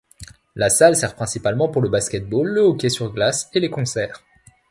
La salle sert principalement pour le basket-ball, le hockey sur glace et les concerts.